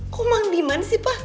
kok mangdiman sih pa